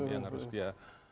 yang harus dia